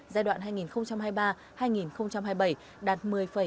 giai đoạn hai nghìn hai mươi ba hai nghìn hai mươi bảy đạt một mươi hai mươi hai